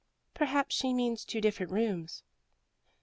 "Perhaps she means two different rooms."